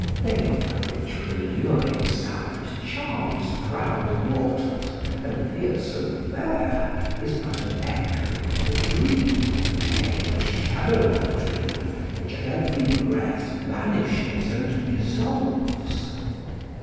["Fame, which with alluring sound charms proud mortals, and appears so fair, is but an echo, a dream, nay, the shadow of a dream, which at every breath vanishes and dissolves."